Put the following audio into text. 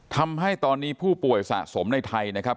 ทำให้ตอนนี้ผู้ป่วยสะสมในไทยนะครับ